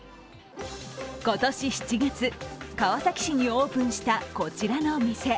今年７月、川崎市にオープンしたこちらのお店。